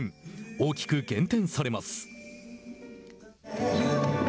大きく減点されます。